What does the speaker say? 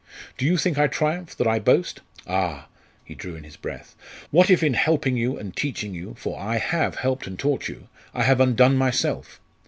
Do you think I triumph, that I boast? Ah!" he drew in his breath "What if in helping you, and teaching you for I have helped and taught you! I have undone myself?